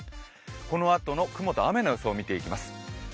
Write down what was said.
このあとの雲と雨の予想を見ていきます。